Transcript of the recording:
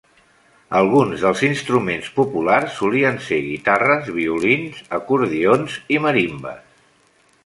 Alguns dels instruments populars solien ser guitarres, violins, acordions i marimbes.